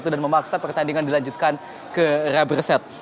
dan memaksa pertandingan dilanjutkan ke rubber set